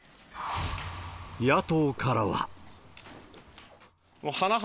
野党からは。